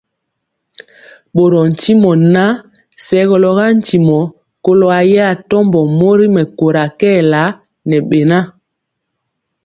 Ɓorɔɔ ntimɔ ŋan, segɔlɔ ga ntimɔ kɔlo ayɛ atɔmbɔ mori mɛkóra kɛɛla ŋɛ beŋa.